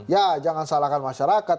ya jangan salahkan masyarakat